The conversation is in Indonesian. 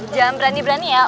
jangan berani berani ya